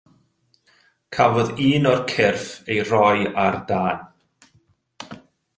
Cafodd un o'r cyrff ei roi ar dân.